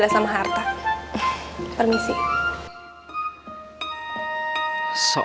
dan saya juga gak pernah berpikir sedikit pun